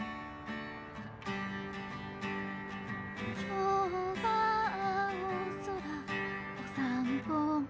「今日は青空お散歩日和」